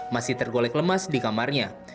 masih tergolek lemas di kamarnya